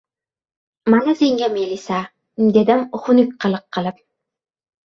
— Mana senga melisa!— dedim xunuk qiliq qilib.